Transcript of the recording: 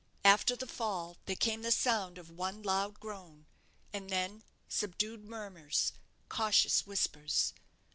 After the fall there came the sound of one loud groan, and then subdued murmurs, cautious whispers.